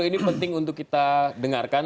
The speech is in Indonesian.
ini penting untuk kita dengarkan